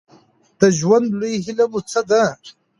د ژوند لويه هيله مو څه ده؟